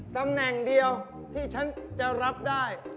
ตำแหน่งเดียวที่ฉันจะรับได้